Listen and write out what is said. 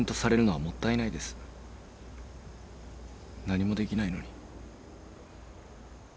何もできないのに。